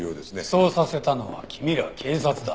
そうさせたのは君ら警察だ。